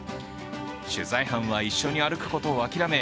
取材班は一緒に歩くことを諦め